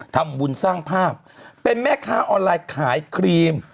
ทำบุญสร้างภาพเป็นแม่ค้าออนไลน์ขายครีม